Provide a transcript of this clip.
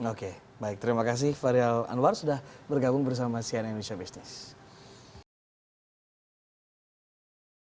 oke baik terima kasih fahrial anwar sudah bergabung bersama sian indonesia business